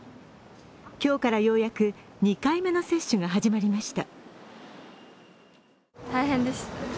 今日からようやく２回目の接種が始まりました。